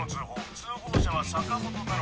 通報者は坂本太郎。